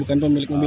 bukan pemilik mobil